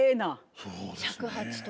尺八とか。